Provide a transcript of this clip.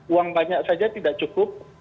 uang banyak saja tidak cukup